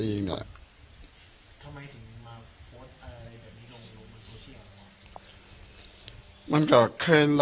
ทำไมถึงมาโพสต์อะไรแบบนี้ลงดูบนโซเชียลหรือเปล่า